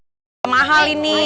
masalah harga ini mah mahal ini